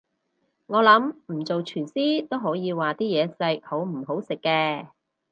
我諗唔做廚師都可以話啲嘢食好唔好食嘅